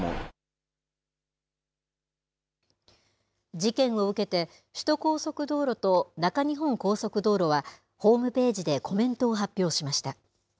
事件を受けて、首都高速道路と中日本高速道路は、ホームページでコメントを発表しました。